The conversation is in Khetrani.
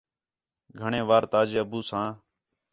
گھݨیں وار تاجے ابو ساں